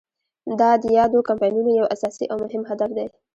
دا د یادو کمپاینونو یو اساسي او مهم هدف دی.